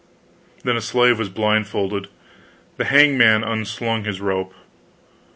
Then a slave was blindfolded; the hangman unslung his rope.